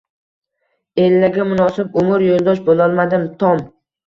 Ellaga munosib umr yo`ldosh bo`lolmadim, Tom